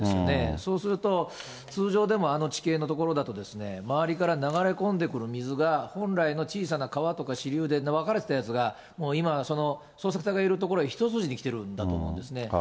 そうすると、通常でもあの地形の所だと、周りから流れ込んでくる水が、本来の小さな川とか支流で分かれてたやつが、もう今はその捜索隊がいる所、一筋にきてるんだと思うんですね。